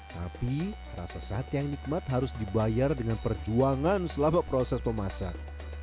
tapi rasa sate yang nikmat harus dibayar dengan perjuangan selama proses memasak